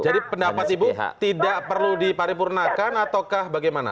jadi pendapat ibu tidak perlu diparipurnakan ataukah bagaimana